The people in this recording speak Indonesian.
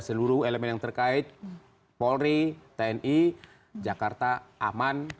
seluruh elemen yang terkait polri tni jakarta aman